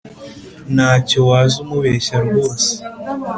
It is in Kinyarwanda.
Ntacyo waza umubeshya rwose